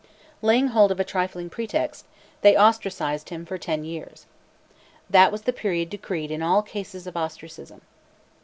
Laying hold of a trifling pretext, they ostracised him for ten years.!_ That was the period decreed in all cases of ostracism.